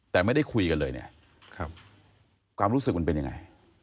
แต่ไม่ได้คุยกันเลยเนี่ยความรู้สึกมันเป็นยังไง